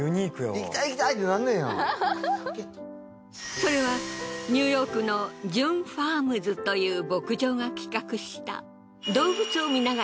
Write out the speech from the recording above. それはニューヨークのジュン・ファームズという牧場が企画した。